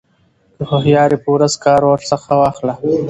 كه هوښيار يې په ورځ كار ورڅخه واخله